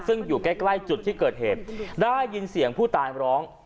ซึ่งอยู่ใกล้ใกล้จุดที่เกิดเหตุได้ยินเสียงผู้ตายร้อง